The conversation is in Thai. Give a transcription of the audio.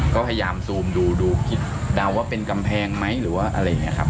ก็พยายามซูมดูดูคิดเดาว่าเป็นกำแพงไหมหรือว่าอะไรอย่างนี้ครับ